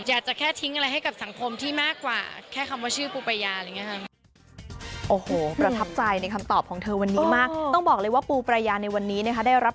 อยากจะแค่ทิ้งอะไรให้กับสังคมที่มากกว่า